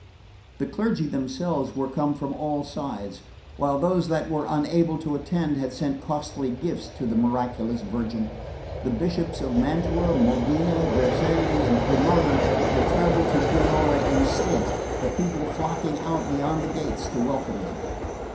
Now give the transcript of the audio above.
The clergy themselves were come from all sides; while those that were unable to attend had sent costly gifts to the miraculous Virgin. The Bishops of Mantua, Modena, Vercelli and Cremona had travelled to Pianura in state, the people flocking out beyond the gates to welcome them.